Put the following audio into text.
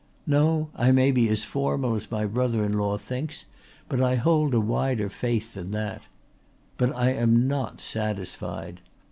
No, I may be as formal as my brother in law thinks, but I hold a wider faith than that. But I am not satisfied.